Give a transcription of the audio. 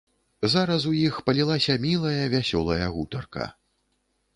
Зараз у іх палілася мілая, вясёлая гутарка.